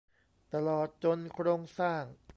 ตลอดจนโครงสร้าง